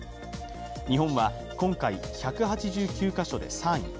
日本は今回、１８９か所で３位。